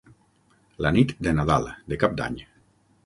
La nit de Nadal, de Cap d'Any.